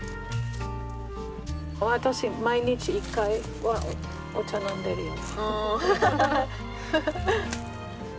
私毎日１回はお茶飲んでるよ。